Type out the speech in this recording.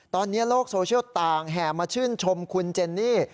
ตอนนี้โลกโซเชียลต่างแห่มาชื่นชมคุณเจนนี่